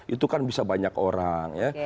itu kan bisa banyak orang ya